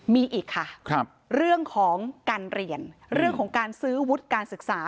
มีอีกค่ะเรื่องของการเรียนเรื่องของการซื้อวุฒิการศึกษา